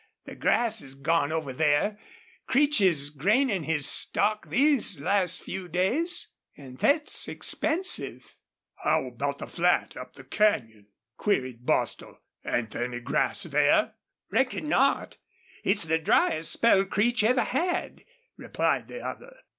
The grass is gone over there. Creech is grainin' his stock these last few days. An' thet's expensive." "How about the flat up the canyon?" queried Bostil. "Ain't there any grass there?" "Reckon not. It's the dryest spell Creech ever had," replied the other.